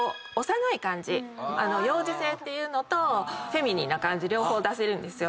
幼児性っていうのとフェミニンな感じ両方出せるんですよね。